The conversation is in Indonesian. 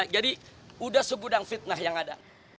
jadi udah segudang fitnah yang ada